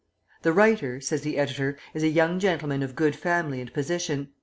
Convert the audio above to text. "The writer," says the editor, "is a young gentleman of good family and position.